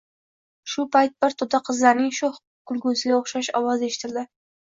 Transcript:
Shu payt bir to`da qizlarning sho`x kulgisiga o`xshash ovoz eshitildi